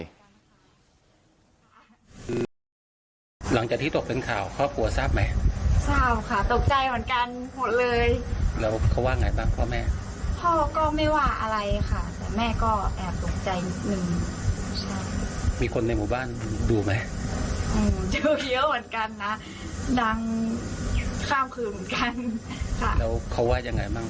ก็ต้องดีด้วยค่ะแล้วก็หน้าติชมก็มีบ้างค่ะ